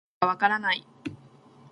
何が言いたいのかわからない